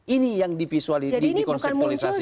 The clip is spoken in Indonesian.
ini yang di visualisasi di konseptualisasi